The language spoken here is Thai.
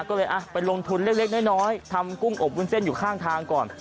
ก็เลยไปลงทุนเล็กน้อยทำกุ้งอบวุ้นเส้นอยู่ข้างทางก่อน